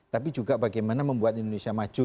tapi juga bagaimana membuat indonesia maju